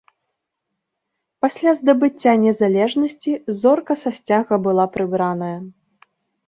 Пасля здабыцця незалежнасці зорка са сцяга была прыбраная.